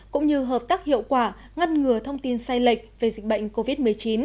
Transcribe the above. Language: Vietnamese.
cũng như hợp tác hiệu quả ngăn ngừa thông tin sai lệch về dịch bệnh covid một mươi chín